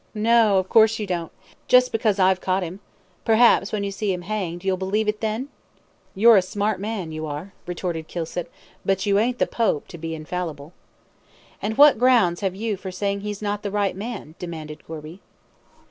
"No! of course you don't, just because I've caught him; perhaps, when you see him hanged, you'll believe it then?" "You're a smart man, you are," retorted Kilsip; "but you ain't the Pope to be infallible." "And what grounds have you for saying he's not the right man?" demanded Gorby.